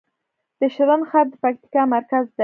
د شرن ښار د پکتیکا مرکز دی